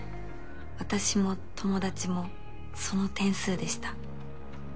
私も友達もその点数でした。